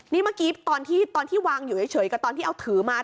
นี่เมื่อกี้ตอนที่วางอยู่เฉยกับตอนที่เอาถือมา